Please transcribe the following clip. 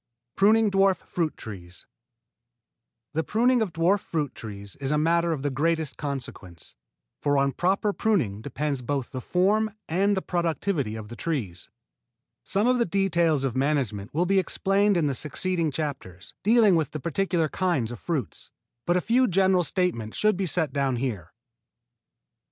IV PRUNING DWARF FRUIT TREES The pruning of dwarf fruit trees is a matter of the greatest consequence, for on proper pruning depend both the form and the productivity of the trees. Some of the details of management will be explained in the succeeding chapters, dealing with the particular kinds of fruits, but a few general statements should be set down here. 1.